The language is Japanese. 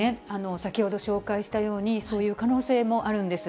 先ほど紹介したように、そういう可能性もあるんです。